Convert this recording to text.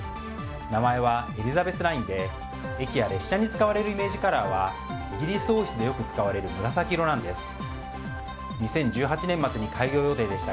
名前はエリザベスラインで駅や列車に使われるイメージカラーはイギリス王室でよく使われる紫色なんです。